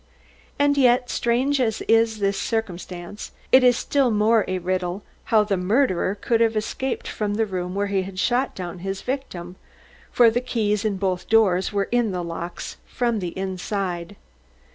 And yet, strange as is this circumstance, it is still more a riddle how the murderer could have escaped from the room where he had shot down his victim, for the keys in both doors were in the locks from the inside.